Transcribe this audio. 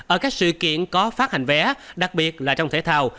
ở các sự kiện có phát hành vé đặc biệt là trong thể thao